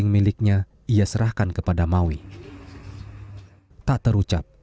melewati masyarakat kedigestedean